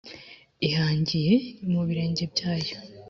Ihangiye mu birenge byayo